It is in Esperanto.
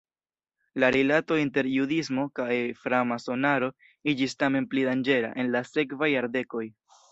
La rilato inter judismo kaj framasonaro iĝis tamen pli danĝera en la sekvaj jardekoj.